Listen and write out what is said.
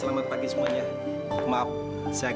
jangan berbohong aku dosing